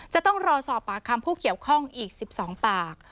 จะต้องรอสอบปากคำผู้เกี่ยวข้องอีก๑๒ปาก